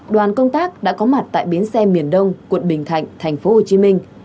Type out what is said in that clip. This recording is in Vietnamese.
đoàn công tác đã có mặt tại biến xe miền đông quận bình thạnh tp hcm